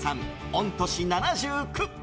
御年７９。